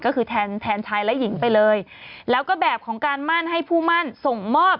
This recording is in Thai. ก็คือแทนแทนชายและหญิงไปเลยแล้วก็แบบของการมั่นให้ผู้มั่นส่งมอบ